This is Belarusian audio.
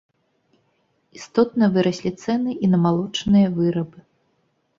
Істотна выраслі цэны і на малочныя вырабы.